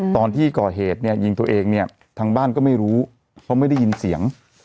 ตอนที่ก่อเหตุเนี่ยยิงตัวเองเนี่ยทางบ้านก็ไม่รู้เพราะไม่ได้ยินเสียง